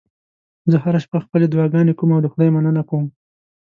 زه هره شپه خپلې دعاګانې کوم او د خدای مننه کوم